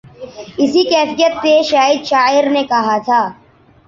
اسی کیفیت پہ شاید شاعر نے کہا تھا۔